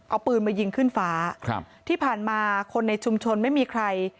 เอาปืนมายิงขึ้นฟ้าครับที่ผ่านมาคนในชุมชนไม่มีใคร